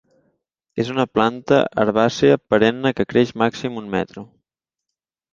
És una planta herbàcia perenne que creix màxim un metre.